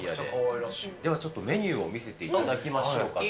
ではちょっとメニューを見せていただきましょうか。